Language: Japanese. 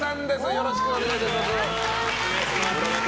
よろしくお願いします。